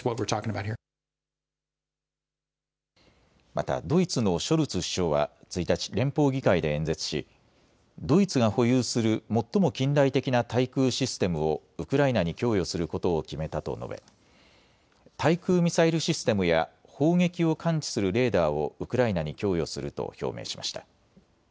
またドイツのショルツ首相は１日、連邦議会で演説しドイツが保有する最も近代的な対空システムをウクライナに供与することを決めたと述べ、対空ミサイルシステムや砲撃を感知するレーダーをウクライナに供与すると表明しました。